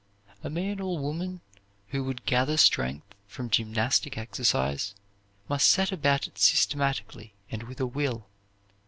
A man or woman who would gather strength from gymnastic exercise must set about it systematically and with a will.